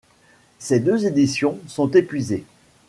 Ces deux éditions sont épuisées.